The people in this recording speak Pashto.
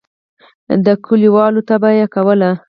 د کلیوالو طبعه یې کوله.